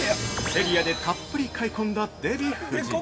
◆セリアでたっぷり買い込んだデヴィ夫人。